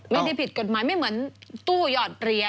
ผิดกฎหมายไม่เหมือนตู้หยอดเหรียญ